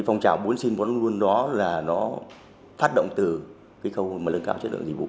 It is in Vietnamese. phong trào bốn xin bốn luôn đó là nó phát động từ cái khâu mà lân cao chất lượng dịch vụ